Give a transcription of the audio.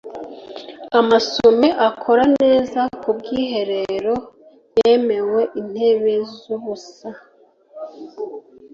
amasume akora neza ku bwiherero! yemwe intebe z'ubusa